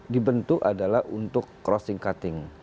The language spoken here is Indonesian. dibentuk adalah untuk crossing cutting